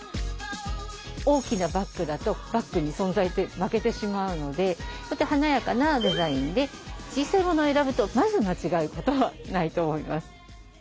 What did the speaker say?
大きなバッグだとバッグに存在で負けてしまうので華やかなデザインで小さいものを選ぶとまず間違うことはないと思います。